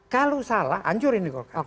kalau salah hancurin